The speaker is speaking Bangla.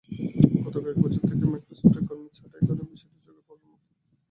গত কয়েক বছর থেকে মাইক্রোসফটের কর্মী ছাঁটাইয়ের বিষয়টি চোখে পড়ার মতো।